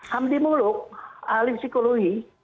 hamdi muluk ahli psikologi